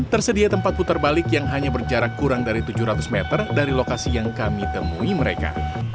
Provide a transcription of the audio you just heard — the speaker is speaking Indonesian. tersedia tempat putar balik yang hanya berjarak kurang dari tujuh ratus meter dari lokasi yang kami temui mereka